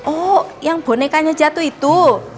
oh yang bonekanya jatuh itu